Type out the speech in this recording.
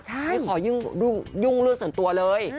ไม่ต้องยุ่งครวกส่วนตัวเลย